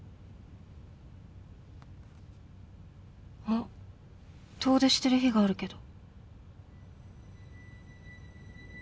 あっ遠出してる日があるけど。